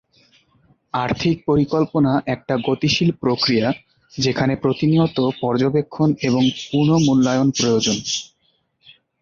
আর্থিক পরিকল্পনা একটা গতিশীল প্রক্রিয়া যেখানে প্রতিনিয়ত পর্যবেক্ষণ এবং পুর্ণ-মূল্যায়ন প্রয়োজন।